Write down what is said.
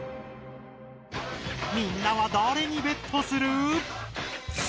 みんなはだれにベットする？